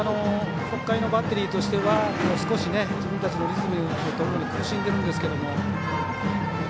北海のバッテリーとしては少し自分たちのリズムをとるのに苦しんでいるんですけど。